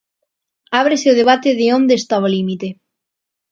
Ábrese o debate de onde está o límite.